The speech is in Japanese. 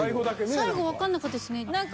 最後わかんなかったですね。